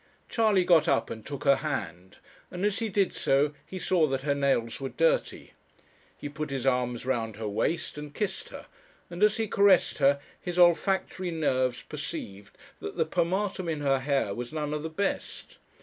Charley got up and took her hand; and as he did so, he saw that her nails were dirty. He put his arms round her waist and kissed her; and as he caressed her, his olfactory nerves perceived that the pomatum in her hair was none of the best.